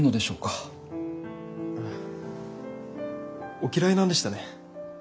お嫌いなんでしたね。